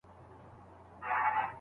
او پر زړه یې د شیطان سیوری را خپور سي